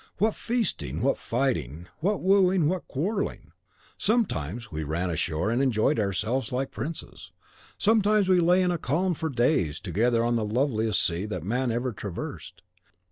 What feasting, what fighting, what wooing, what quarrelling! Sometimes we ran ashore and enjoyed ourselves like princes; sometimes we lay in a calm for days together on the loveliest sea that man ever traversed.